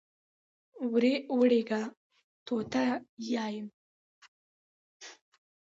وړکیه! توته یایم.